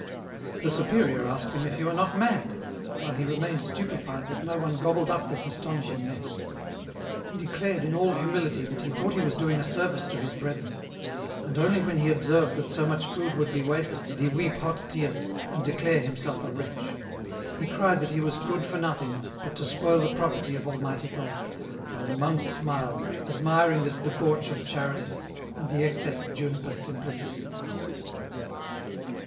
The superior asked him if he were not mad, while he remained stupefied that no one gobbled up this astonishing mess. He declared in all humility that he thought he was doing a service to his brethren, and only when he observed that so much food would be wasted, did he weep hot tears, and declare himself a wretch ; he cried that he was good ^or nothing but to spoil the property of Almighty God, while the monks smiled, admiring this debauch of charity, and the excess of Juniper's simplicity.